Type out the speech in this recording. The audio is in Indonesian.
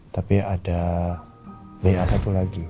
tapi ada ba satu lagi